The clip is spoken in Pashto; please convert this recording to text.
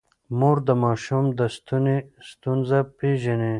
مور د ماشوم د ستوني ستونزه پېژني.